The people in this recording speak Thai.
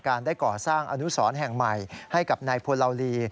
ได้ก่อสร้างอนุสรแห่งใหม่ให้กับนายโพลาวลี